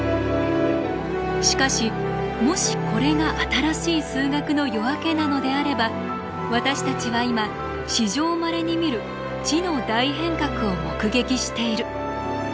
しかしもしこれが新しい数学の夜明けなのであれば私たちは今史上まれに見る知の大変革を目撃している。